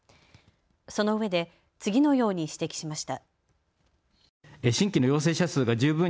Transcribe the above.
そのうえで次のように指摘しました。